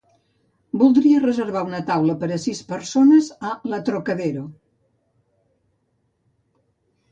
Voldria reservar una taula per a sis persones a La Trocadero.